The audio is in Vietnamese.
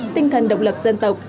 tinh thần độc lập dân tộc